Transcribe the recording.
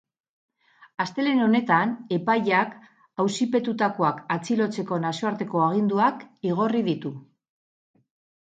Astelehen honetan, epaileak auzipetutakoak atxilotzeko nazioarteko aginduak igorri ditu.